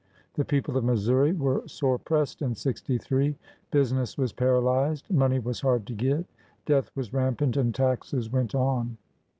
The people of Missouri were sore pressed in '63. Busi ness was paralyzed; money was hard to get; death was rampant; and taxes went on.